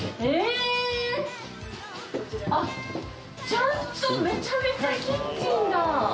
ちゃんとめちゃめちゃキッチンだ。